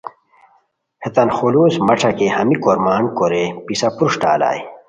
ہیتان خلوص مہ ݯاکئے ہمی کورمان کورئیے پِسہ پروشٹہ الائے